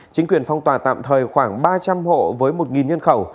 chính quyền phong tỏa tạm thời khoảng ba trăm linh hộ với một nhân khẩu